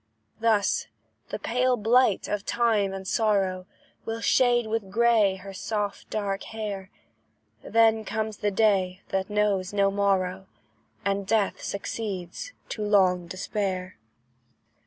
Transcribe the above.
Thus the pale blight of time and sorrow Will shade with grey her soft, dark hair; Then comes the day that knows no morrow, And death succeeds to long despair.